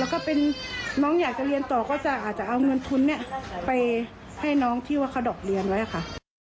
แล้วก็เป็นน้องอยากจะเรียนต่อก็จะอาจจะเอาเงินทุนไปให้น้องที่ว่าเขาดอกเรียนไว้ค่ะ